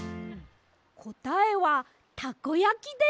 こたえはたこやきです！